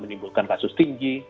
menimbulkan kasus tinggi